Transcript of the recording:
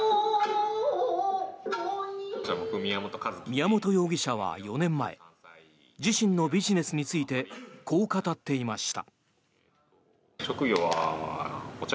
宮本容疑者は４年前自身のビジネスについてこう語っていました。